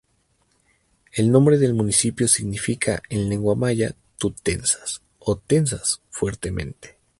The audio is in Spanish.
El nombre del municipio significa en lengua maya "Tú tensas" o "Tensas", "fuertemente".